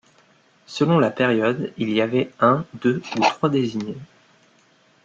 Selon la période, il y avait un, deux ou trois désignés.